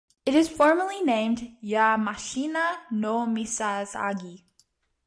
It is formally named "Yamashina no misasagi".